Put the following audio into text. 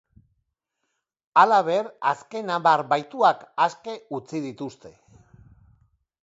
Halaber, azken hamar bahituak aske utzi dituzte.